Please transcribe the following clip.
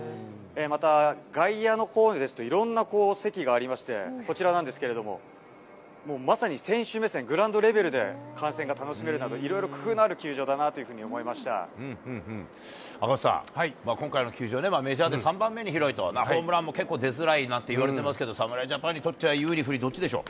また、外野のほうですと、いろんな席がありまして、こちらなんですけれども、もうまさに選手目線、グラウンドレベルで観戦が楽しめるなど、いろいろ工夫のある球場赤星さん、今回の球場、メジャーで３番目に広いと、ホームランも結構出づらいなんていわれてますけど、侍ジャパンにとっては有利、不利、どっちでしょう。